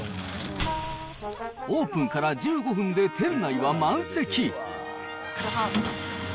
オープンから１５分で店内は満席。